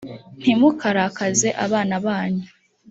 ntimukarakaze abana banyu